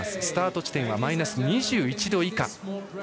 スタート地点はマイナス２１度以下。